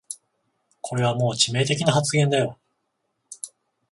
これはもう致命的な発言だよ